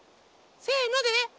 せので。